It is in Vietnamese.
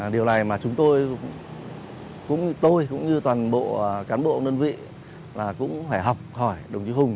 điều này mà chúng tôi cũng tôi cũng như toàn bộ cán bộ đơn vị là cũng phải học hỏi đồng chí hùng